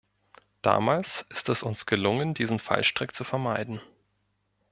Damals ist es uns gelungen, diesen Fallstrick zu vermeiden.